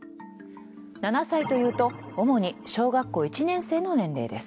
７歳というと主に小学校１年生の年齢です。